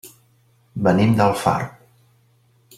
Venim d'Alfarb.